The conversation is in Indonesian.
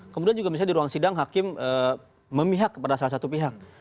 kemudian juga misalnya di ruang sidang hakim memihak kepada salah satu pihak